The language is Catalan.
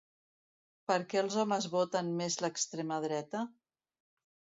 Per què els homes voten més l’extrema dreta?